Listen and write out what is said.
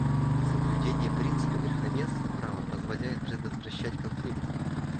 Соблюдение принципа верховенства права позволяет предотвращать конфликты.